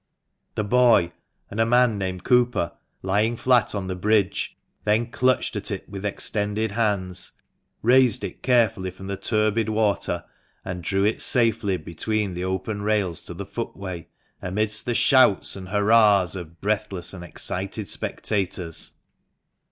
The boy, and a man named Cooper, lying flat on the bridge, then clutched at it with extended hands, raised it carefully from the turbid water, and drew it safely between the open rails to the footway, amidst the shouts and hurrahs of breathless and excited spectators.